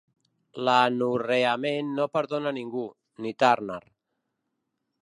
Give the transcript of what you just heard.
L'anorreament no perdona ningú, ni Turner.